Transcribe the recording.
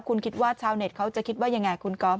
คุณคิดว่าชาวเน็ตเขาจะคิดว่ายังไงคุณก๊อฟ